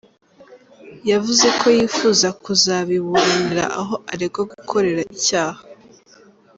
Yavuze ko yifuza kuzabiburanira aho aregwa gukorera icyaha.